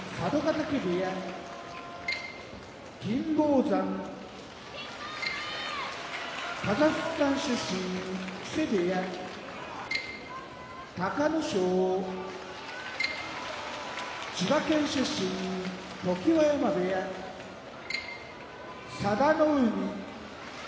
嶽部屋金峰山カザフスタン出身木瀬部屋隆の勝千葉県出身常盤山部屋佐田の海